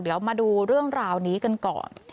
เดี๋ยวมาดูเรื่องราวนี้กันก่อน